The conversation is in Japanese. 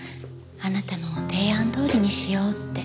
あなたの提案どおりにしようって。